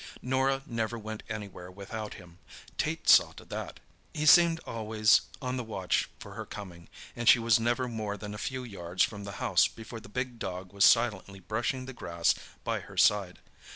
Norah never went anywhere without him; Tait saw to that. He seemed always on the watch for her coming, and she was never more than a few yards from the house before the big dog was silently brushing the grass by her side.